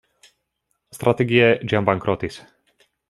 Strategie, ĝi jam bankrotis.